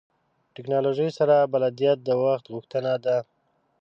ټکنالوژۍ سره بلدیت د وخت غوښتنه ده.